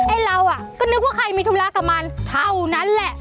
ไอ้เราก็นึกว่าใครมีธุระกับมันเท่านั้นแหละ